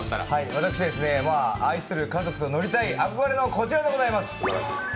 私、憧れの家族と乗りたい憧れのこちらでございます。